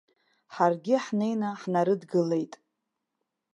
Ҳаргьы ҳнеины ҳнарыдгылеит.